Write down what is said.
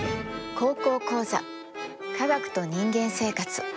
「高校講座科学と人間生活」。